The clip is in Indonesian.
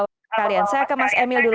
bapak bapak kalian saya ke mas emil dulu